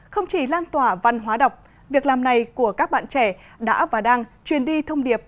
không chỉ lan tỏa văn hóa đọc việc làm này của các bạn trẻ đã và đang truyền đi thông điệp